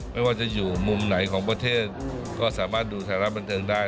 ไม่ว่าจะอยู่มุมไหนของประเทศก็สามารถดูสถานะบันเทิงได้